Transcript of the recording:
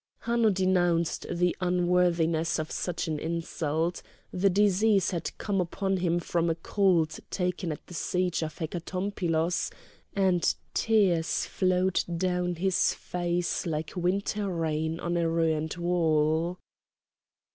Hanno denounced the unworthiness of such an insult; the disease had come upon him from a cold taken at the siege of Hecatompylos, and tears flowed down his face like winter rain on a ruined wall.